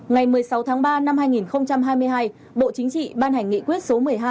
ngày một mươi sáu tháng ba năm hai nghìn hai mươi hai bộ chính trị ban hành nghị quyết số một mươi hai